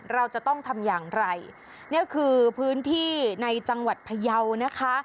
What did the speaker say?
เราจะต้องทำอย่างไรนี่คือพื้นที่ในจังหวัดพยาวนะคะ